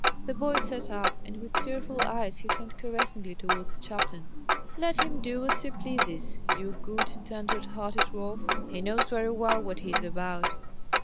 The boy sat up, and with tearful eyes he turned caressingly towards the chaplain: "Let him do as he pleases, you good, tender hearted Rolf; he knows very well what he is about.